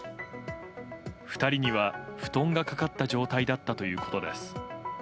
２人には布団がかかった状態だったということです。